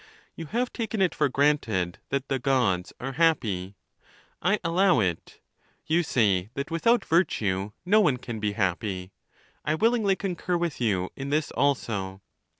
You have taken it for granted that the Gods are happy. I al low it. You say that without virtue no one can be happy. I willingly concur with you in this also.